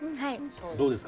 どうですか？